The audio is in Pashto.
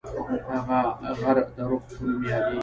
هغه غر د رُخ په نوم یادیږي.